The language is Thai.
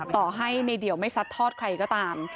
ต่อให้ในเดี่ยวไม่ซัดทอดใครก็ตาม